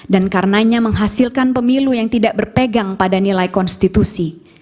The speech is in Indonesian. dan karenanya menghasilkan pemilu yang tidak berpegang pada nilai konstitusi